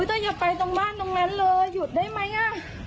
ถ้าอย่าไปตรงบ้านตรงนั้นเลยหยุดได้ไหม